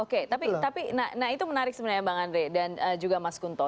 oke tapi nah itu menarik sebenarnya bang andre dan juga mas kunto